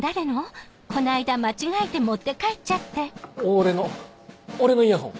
俺の俺のイヤホン。